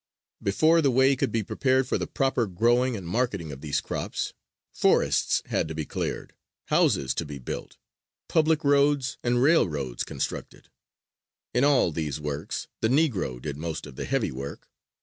Before the way could be prepared for the proper growing and marketing of these crops forests had to be cleared, houses to be built, public roads and railroads constructed. In all these works the Negro did most of the heavy work.